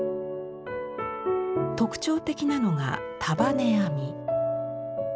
特徴的なのが束ね編み。